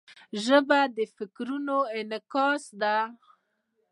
ژبه د فکرونو انعکاس ده.